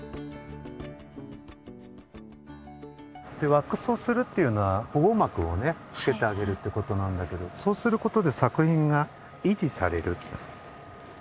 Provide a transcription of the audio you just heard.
ワックスをするっていうのは保護膜をねつけてあげるってことなんだけどそうすることで作品が維持される。